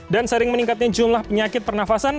dan sering meningkatnya jumlah penyakit pernafasan